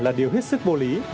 là điều hết sức vô lý